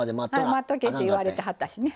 待っとけって言われてはったしね。